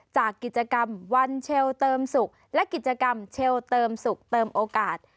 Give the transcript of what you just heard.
จากกิจกรรมวันเชลเติมสุขและกิจกรรมเชลเติมสุขเติมโอกาส